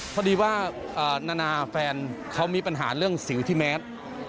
พอดีว่านานาแฟนเขามีปัญหาเรื่องสิวที่แมส